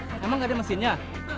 emang nggak ada mesinnya